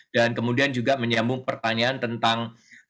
dan kemudian juga menyambung pertanyaan tentang